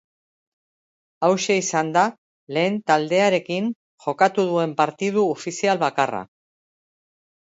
Hauxe izan da, lehen taldearekin jokatu duen partidu ofizial bakarra.